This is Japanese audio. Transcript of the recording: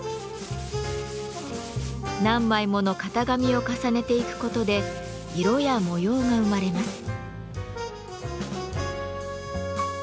何枚もの型紙を重ねていくことで色や模様が生まれます。